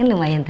ini lumayan tuh